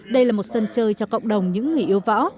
đây là một sân chơi cho cộng đồng những người yếu võ